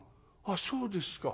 あっそうですか」。